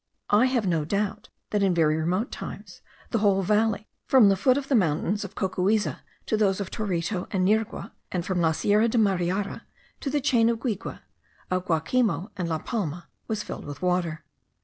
I have no doubt that, in very remote times, the whole valley, from the foot of the mountains of Cocuyza to those of Torito and Nirgua, and from La Sierra de Mariara to the chain of Guigue, of Guacimo, and La Palma, was filled with water.